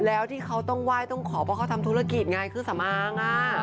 แล้วที่เขาต้องไหว้ต้องขอเพราะเขาทำธุรกิจไงเครื่องสำอาง